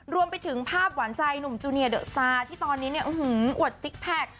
รวมไปถึงภาพหวานใจหนุ่มจูเนียเดอะซาที่ตอนนี้เนี่ยอวดซิกแพค